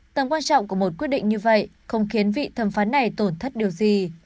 tầm quan trọng của một quyết định như vậy không khiến vị thẩm phán này tổn thất điều gì